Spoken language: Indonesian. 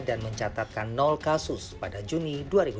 dan mencatatkan kasus pada juni dua ribu dua puluh satu